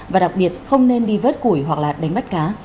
và đặc biệt không nên đi vớt củi hoặc là đánh bắt cá